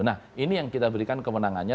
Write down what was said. nah ini yang kita berikan kewenangannya